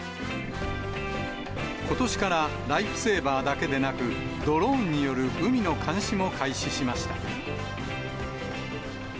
ことしからライフセーバーだけでなく、ドローンによる海の監視も開始しました。